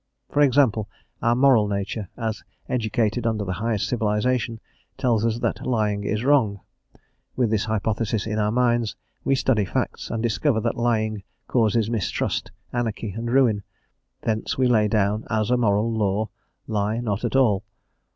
For example, our moral nature, as educated under the highest civilisation, tells us that lying is wrong;* with this hypothesis in our minds we study facts, and discover that lying causes mistrust, anarchy, and ruin; thence we lay down as a moral law, "Lie not at all."